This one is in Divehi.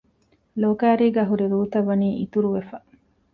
ލޯކައިރީ ހުރި ރޫތައް ވަނީ އިތުރު ވެފަ